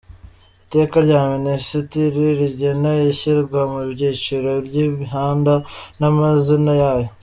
Iteka rya Minisitiri rigena ishyirwa mu byiciro ry’imihanda n’amazina yayo;.